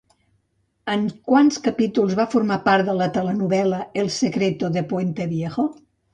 En quants capítols va formar part de la telenovel·la El Secreto de Puente Viejo?